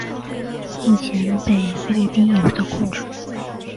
目前被菲律宾有效控制。